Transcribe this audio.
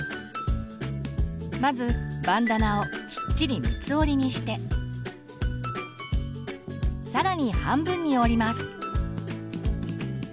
まずバンダナをきっちり三つ折りにして更に半分に折ります。